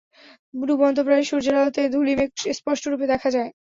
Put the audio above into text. ডুবন্তপ্রায় সূর্যের আলোতে এ ধূলিমেঘ স্পষ্টরূপে দেখা যায়।